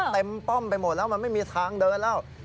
ป้อมไปหมดแล้วมันไม่มีทางเดินแล้ว